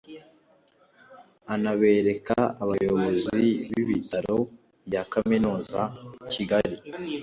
anabereka abayobozi b’ibitaro bya Kaminuza (Kigali